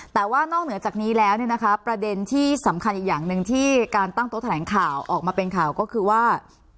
แต่ว่านอกเหนือจากนี้แล้วเนี่ยนะคะประเด็นที่สำคัญอีกอย่างหนึ่งที่การตั้งโต๊ะแถลงข่าวออกมาเป็นข่าวก็คือว่า